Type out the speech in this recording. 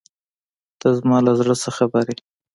ته زما له زړۀ څه خبر یې.